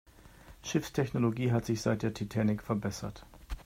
Schiffstechnologie hat sich seit der Titanic verbessert.